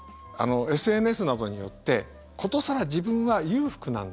ＳＮＳなどによって殊更、自分は裕福なんだ